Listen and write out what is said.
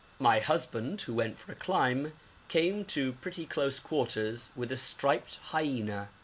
My husband, who went for a climb, came to pretty close quarters with a striped hyena.